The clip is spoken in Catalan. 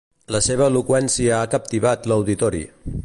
La seva eloqüència ha captivat l'auditori.